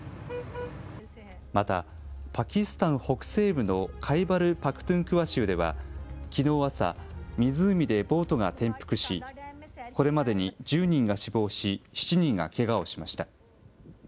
また、パキスタン北西部のカイバル・パクトゥンクワ州では、きのう朝、湖でボートが転覆し、これまでに１０人が死亡し、７人がけがをしました。